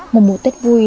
một mùa tết vui